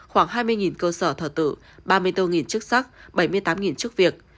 khoảng hai mươi cơ sở thờ tự ba mươi bốn chức sắc bảy mươi tám chức việc